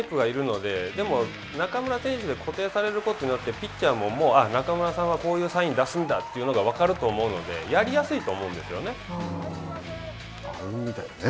でも、中村選手で固定されることによってピッチャーも、もう中村さんはこういうサインを出すんだというのが分かると思うのでやりやすいと思うんですよね。